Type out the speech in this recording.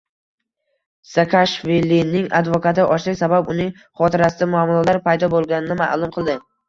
Saakashvilining advokati ochlik sabab uning xotirasida muammolar paydo bo‘lganini ma’lum qildi